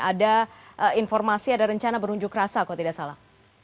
ada informasi ada rencana berunjuk rasa kalau tidak salah